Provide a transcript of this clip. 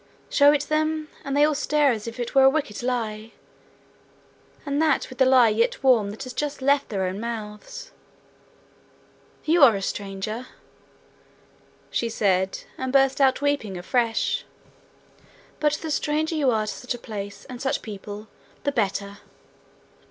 Show it them, and they all stare as if it were a wicked lie, and that with the lie yet warm that has just left their own mouths! You are a stranger,' she said, and burst out weeping afresh, 'but the stranger you are to such a place and such people the better!'